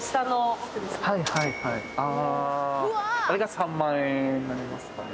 あれが３万円なりますかね？